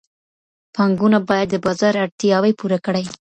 پانګونه باید د بازار اړتیاوې پوره کړي.